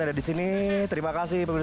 yang ada di sini terima kasih